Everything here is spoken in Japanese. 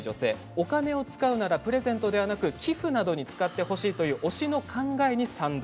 お金を使うならプレゼントではなく、寄付などに使ってほしいという推しの考えに賛同。